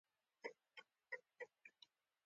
لکه څنګه چې کوې هغسې به ریبې.